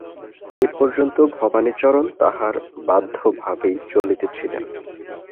এ পর্যন্ত ভবানীচরণ তাঁহার বাধ্যভাবেই চলিতেছিলেন।